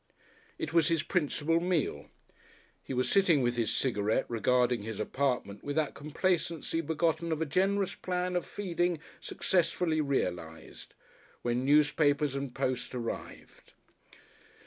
It was his principal meal. He was sitting with his cigarette regarding his apartment with that complacency begotten of a generous plan of feeding successfully realized, when newspapers and post arrived.